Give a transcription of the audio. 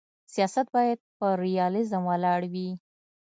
سیاست باید پر ریالیزم ولاړ وي.